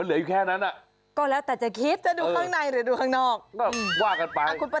เหลือ๖พอดีเลย๖หลักคุณคุณค่ะ